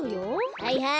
はいはい。